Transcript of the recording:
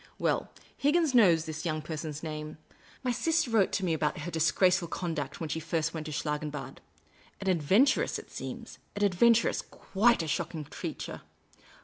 Well, Higginson knows this young person's name; my .sister wrote to me about her disgraceful conduct when she first went to Schlangenbad. An adventuress, it seems ; an ad venturess ; quite a shocking creature.